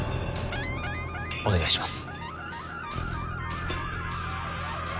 お願いします。